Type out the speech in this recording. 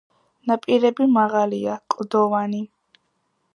ნაპირები მაღალია, კლდოვანი.